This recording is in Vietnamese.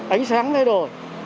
ánh sáng thay đổi